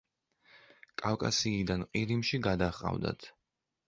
კავკასიიდან ყირიმში გადაჰყავდათ.